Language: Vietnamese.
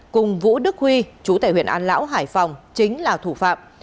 cùng vũ đức huy chú tại huyện an lão hải phòng chính là thủ phạm